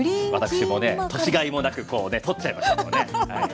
私もね年がいもなくこうね撮っちゃいましたけどね。